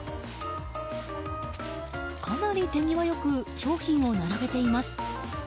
かなり手際よく商品を並べています。